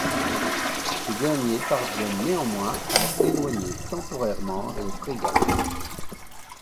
Ces derniers parviennent néanmoins à éloigner temporairement les frégates.